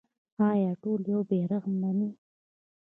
آیا ټول یو بیرغ مني؟